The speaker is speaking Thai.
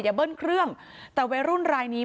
เบิ้ลเครื่องแต่วัยรุ่นรายนี้